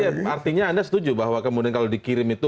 tapi artinya anda setuju bahwa kemudian kalau dikirim itu